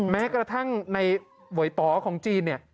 แม้กระทั่งในหวยป๋อของจีนเนี่ย